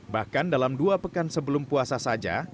bahkan dalam dua pekan sebelum puasa saja